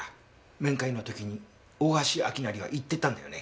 面会の時に大橋明成は言ってたんだよね。